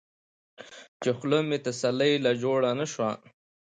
چې خله مې تسلۍ له جوړه نۀ شوه ـ